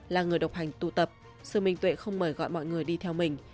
là người độc hành tu tập sư minh tuệ không mời gọi mọi người đi theo mình